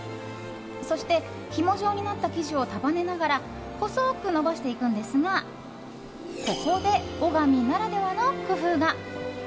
そしてひも状になった生地を束ねながら細く延ばしていくのですがここで小神ならではの工夫が。